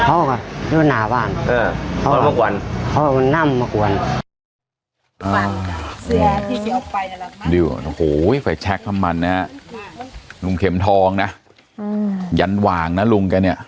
โอ้โหไฟแชคน้ำมันนะฮะลุงเข็มทองนะยันหว่างนะลุงแกเนี่ย